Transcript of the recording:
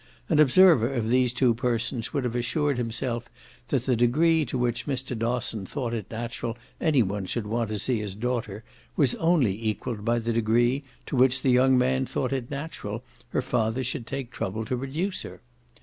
An observer of these two persons would have assured himself that the degree to which Mr. Dosson thought it natural any one should want to see his daughter was only equalled by the degree to which the young man thought it natural her father should take trouble to produce her.